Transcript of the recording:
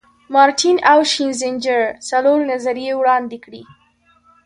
مارټین او شینزینجر څلور نظریې وړاندې کړي.